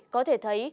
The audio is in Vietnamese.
có thể thấy